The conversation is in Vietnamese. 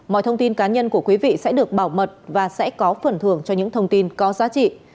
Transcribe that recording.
mọi thông tin cá nhân của quý vị sẽ được bảo mật và sẽ có phần thưởng cho những thông tin có giá trị